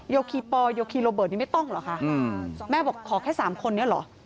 โยคีปอลโยคีโรเบิร์ตนี้ไม่ต้องเหรอคะแม่บอกขอแค่สามคนนี้เหรอ